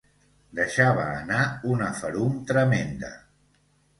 Deixava anar una ferum tremenda.